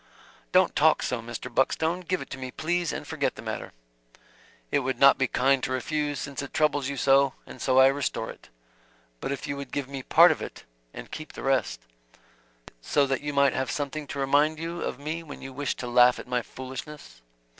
"Do not talk so, Mr. Buckstone. Give it to me, please, and forget the matter." "It would not be kind to refuse, since it troubles you so, and so I restore it. But if you would give me part of it and keep the rest " "So that you might have something to remind you of me when you wished to laugh at my foolishness?"